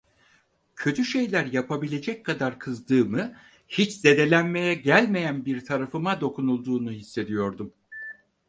Kötü şeyler yapabilecek kadar kızdığımı, hiç zedelenmeye gelmeyen bir tarafıma dokunulduğunu hissediyordum.